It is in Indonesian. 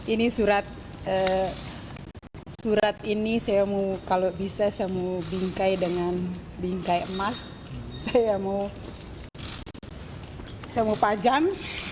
ini surat surat ini kalau bisa saya mau bingkai dengan bingkai emas saya mau pajam